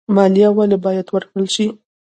مالیه ولې باید ورکړل شي؟